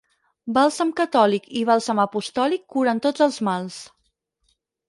Bàlsam catòlic i bàlsam apostòlic curen tots els mals.